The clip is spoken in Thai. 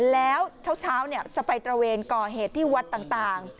แล้วเช้าจะไปตระเวนก่อเหตุที่วัดต่าง